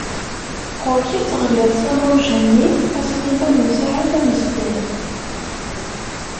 Ɣur-k ad teɣliḍ s amruj-nni a Sliman u Saɛid Amezdat.